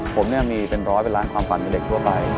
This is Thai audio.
ผมเนี่ยมีเป็นร้อยเป็นล้านความฝันเด็กทั่วไป